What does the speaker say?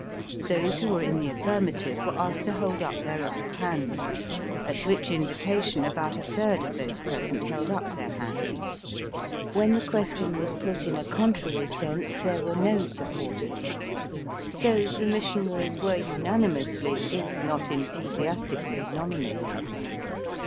Those who were in the afl&rmative were asked to hold up their right hand, at which invitation about a third of those present held up their hand. When the question was put in a contrary sense there were no supporters. So the mis sionaries were unanimously, if not enthusias Digitized by VjOOQIC 106 EAST BY WEST. tioally, nominated.